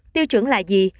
tiêu chuẩn là gì